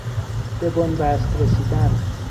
به بنبست رسیدن